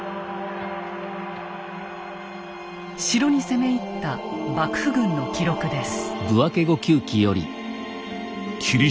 城に攻め入った幕府軍の記録です。